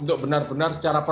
untuk benar benar secara